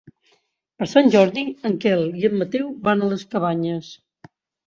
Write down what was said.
Per Sant Jordi en Quel i en Mateu van a les Cabanyes.